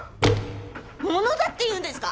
物だって言うんですか？